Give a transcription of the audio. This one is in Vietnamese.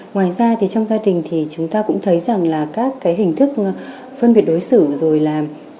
ngoài ra thì trong gia đình thì chúng ta cũng thấy rằng là các cái hình thức phân biệt đối xử rồi là